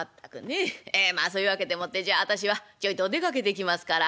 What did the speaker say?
ええまあそういう訳でもって私は私はちょいと出かけてきますから」。